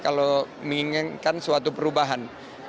kalau menginginkan suatu perubahan